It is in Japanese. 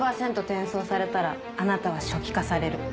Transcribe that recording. １００％転送されたらあなたは初期化される